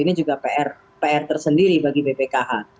ini juga pr tersendiri bagi bpkh